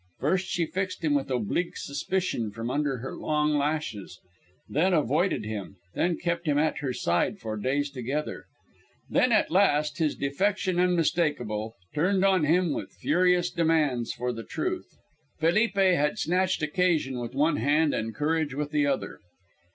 First she fixed him with oblique suspicion from under her long lashes, then avoided him, then kept him at her side for days together. Then at last his defection unmistakable turned on him with furious demands for the truth. Felipe had snatched occasion with one hand and courage with the other.